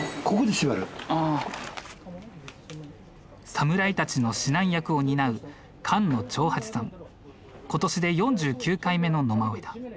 侍たちの指南役を担う今年で４９回目の野馬追だ。